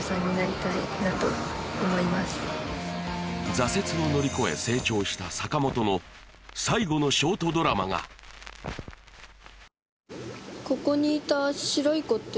挫折を乗り越え成長した坂本の最後のショートドラマがここにいた白い子って？